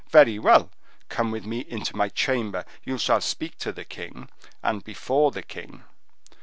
Very well! Come with me into my chamber; you shall speak to the king—and before the king.